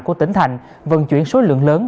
của tỉnh thành vận chuyển số lượng lớn